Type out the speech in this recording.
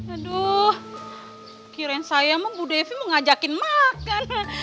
aduh kirain saya mah bu devi mau ngajakin makan